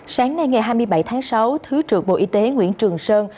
sáng nay ngày hai mươi bảy tháng sáu thứ trưởng bộ y tế nguyễn trường sơn